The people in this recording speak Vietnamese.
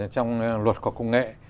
trong luật của công nghệ